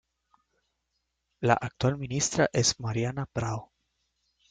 La actual ministra es Mariana Prado.